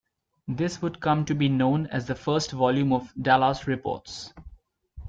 This would come to be known as the first volume of "Dallas Reports".